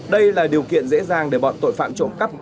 đây là điều kiện dễ dàng để bọn tội phạm trộm cắp